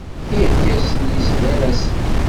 Irkasen-is d arasen.